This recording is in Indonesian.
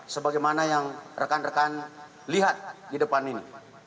sebagaimana yang rekan rekan lihat di depan ini